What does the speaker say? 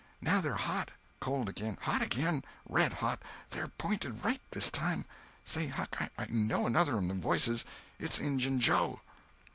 Now they're hot. Cold again. Hot again. Red hot! They're p'inted right, this time. Say, Huck, I know another o' them voices; it's Injun Joe."